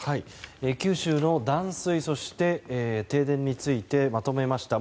九州の断水そして停電についてまとめました。